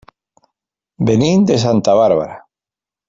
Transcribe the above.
Venim de Santa Bàrbara.